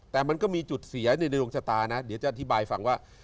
แต่มันก็มีจุดเสียในดวงชะตานะเดี๋ยวจะอธิบายฟังว่า